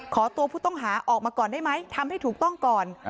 ตัวผู้ต้องหาออกมาก่อนได้ไหมทำให้ถูกต้องก่อน